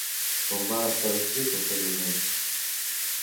Com va estar descrit posteriorment?